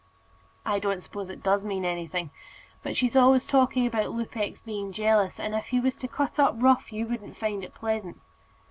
"I don't suppose it does mean anything. But she's always talking about Lupex being jealous; and if he was to cut up rough, you wouldn't find it pleasant."